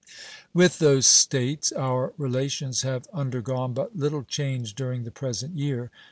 With those States our relations have under gone but little change during the present year.